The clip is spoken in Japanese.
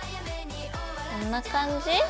こんな感じ？